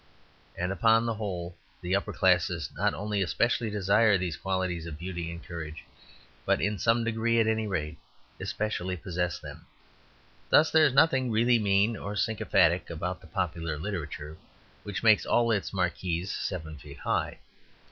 And, upon the whole, the upper class not only especially desire these qualities of beauty and courage, but in some degree, at any rate, especially possess them. Thus there is nothing really mean or sycophantic about the popular literature which makes all its marquises seven feet high.